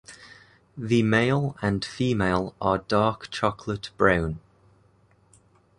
The male and female are dark chocolate brown.